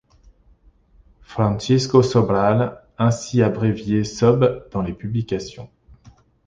Francisco Sobral, ainsi abrévié Sob dans les publications.